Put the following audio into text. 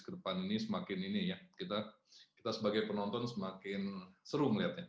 kedepan ini semakin ini ya kita sebagai penonton semakin seru melihatnya